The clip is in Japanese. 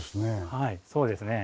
はいそうですね。